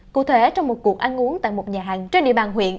cụ thể trong một cuộc ăn uống tại một nhà hàng trên địa bàn huyện